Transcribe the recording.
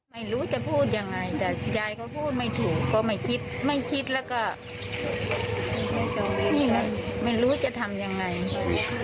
ไม่รู้จะพูดยังไงแต่ยายก็พูดไม่ถูกก็ไม่คิดไม่คิดแล้วก็ไม่รู้จะทำยังไง